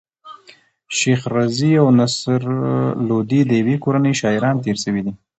شېخ رضي او نصر لودي د ېوې کورنۍ شاعران تېر سوي دي.